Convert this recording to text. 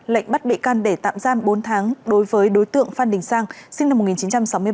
lệnh bắt bị can để tạm giam bốn tháng đối với đối tượng phan đình sang sinh năm một nghìn chín trăm sáu mươi ba